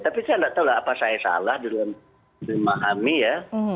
tapi saya nggak tahu lah apa saya salah dalam memahami ya